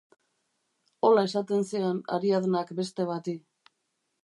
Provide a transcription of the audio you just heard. Hola esaten zion Ariadnak beste bati.